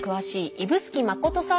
指宿さん